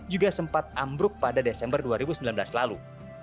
juga sempat ambruk pada desember dua ribu sembilan belas lalu